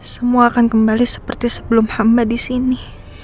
semua akan kembali seperti sebelum hamba disini